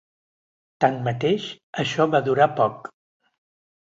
Tanmateix, això va durar poc.